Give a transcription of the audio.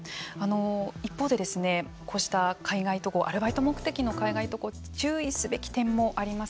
一方でこうした海外渡航アルバイト目的の海外渡航注意すべき点もあります。